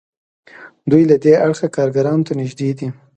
دوی له دې اړخه کارګرانو ته نږدې دي.